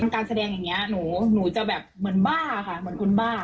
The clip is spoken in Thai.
การแสดงอย่างนี้หนูจะแบบเหมือนบ้าค่ะเหมือนคนบ้า